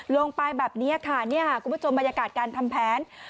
ลงไปแบบนี้ค่ะนี่ค่ะคุณผู้ชมบรรยากาศการทำแผน